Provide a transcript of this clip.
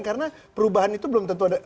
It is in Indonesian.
karena perubahan itu belum tentu ada